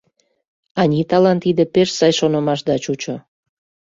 Аниталан тиде пеш сай шонымашда чучо.